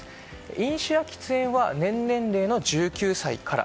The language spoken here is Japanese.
飲酒や喫煙は年年齢の１９歳から。